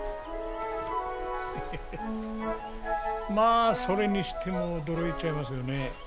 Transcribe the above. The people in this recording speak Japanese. まあそれにしても驚いちゃいますよね。